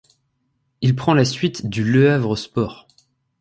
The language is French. Il prend la suite du Le Havre sports.